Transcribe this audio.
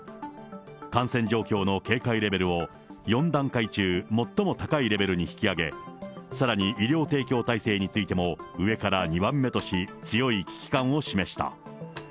感染状況の警戒レベルを４段階中最も高いレベルに引き上げ、さらに医療提供体制についても上から２番目とし、強い危機感を示した。